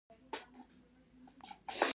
شرقي ملکونه ځنې نه دي خلاص.